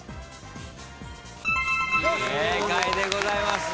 正解でございます。